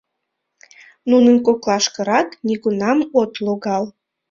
Нунын коклашкырак нигунам от логал.